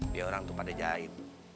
dia orang tuh pada jahit